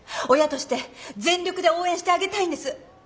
親として全力で応援してあげたいんです。